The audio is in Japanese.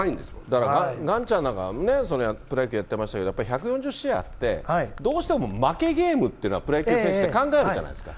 だから、岩ちゃんなんかね、プロ野球やってましたけど、やっぱり１４０試合あって、どうしても負けゲームってのは、プロ野球選手っていうのは考えるじゃないですか。